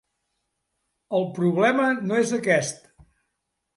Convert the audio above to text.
El problema no és aquest.